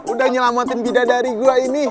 udah nyelamatin bidah dari gua ini